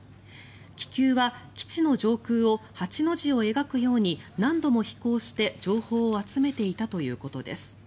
気球は基地の上空を８の字を描くように何度も飛行して、情報を集めていたということです。